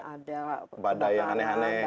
ada badai aneh aneh